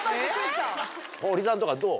堀さんとかどう？